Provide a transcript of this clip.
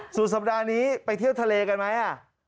สุดสัปดาห์นี้ไปเที่ยวทะเลกันไหม